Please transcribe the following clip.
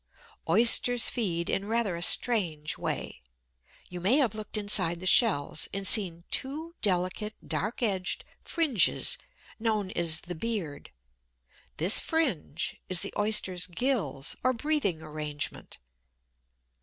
Oysters feed in rather a strange way. You may have looked inside the shells and seen two delicate dark edged fringes, known as the "beard." This fringe is the Oyster's gills or breathing arrangement.